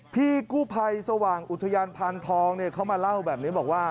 พี่กู้ภัยสว่างอุทยานพานทองเขามาเล่าแบบนี้บอกว่า